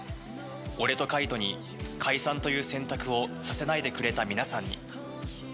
俺とかいとに解散という選択をさせないでくれた皆さんに。